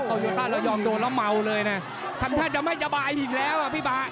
ตอยโอต้าเรายอมโดนแล้วเมาเลยนะทันท่าจะไม่จะบ่ายอีกแล้วอ่ะพี่บ๊า